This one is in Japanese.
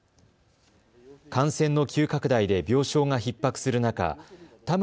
感染の急拡大で病床がひっ迫する中田村